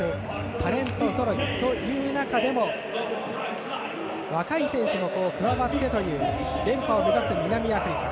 タレントぞろいという中での若い選手も加わって連覇を目指す南アフリカ。